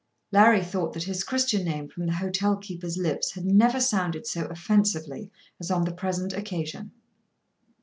Larry thought that his Christian name from the hotel keeper's lips had never sounded so offensively as on the present occasion.